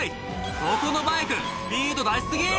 「そこのバイクスピード出し過ぎ！」